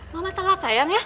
mama telat sayang ya